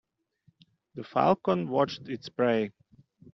The falcon watched its prey.